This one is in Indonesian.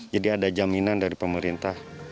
jadi ada jaminan dari pemerintah